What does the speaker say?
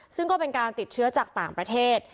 ซึ่งก็เป็นการติดเชื้อจากต่างประเทศ